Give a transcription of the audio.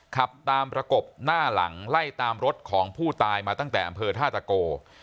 ขับตามประกบหน้าหลังไล่ตามรถของผู้ตายมาตั้งแต่อำเภอท่าตะโก